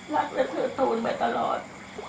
รักและเทือดทูลไปตลอด